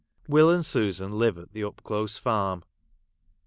Will and Susan live at the Upclose Farm.